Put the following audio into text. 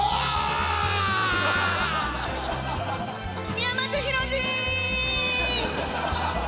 宮本浩次